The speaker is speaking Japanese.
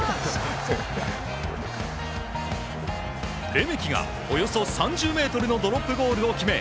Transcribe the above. レメキがおよそ３０ｍのドロップゴールを決め